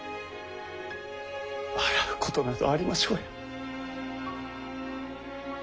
笑うことなどありましょうや。